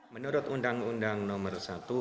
menurut undang undang nomor satu